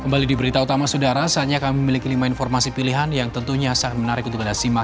kembali di berita utama saudara saatnya kami memiliki lima informasi pilihan yang tentunya sangat menarik untuk anda simak